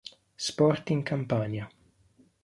Sport in Campania